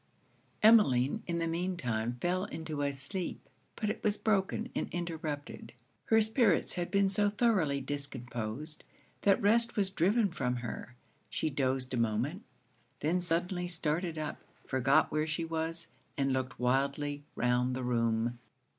Emmeline in the mean time fell into a sleep, but it was broken and interrupted. Her spirits had been so thoroughly discomposed, that rest was driven from her. She dozed a moment; then suddenly started up, forgot where she was, and looked wildly round the room.